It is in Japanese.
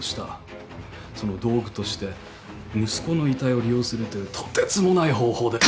その道具として息子の遺体を利用するというとてつもない方法で。